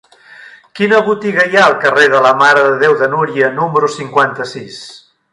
Quina botiga hi ha al carrer de la Mare de Déu de Núria número cinquanta-sis?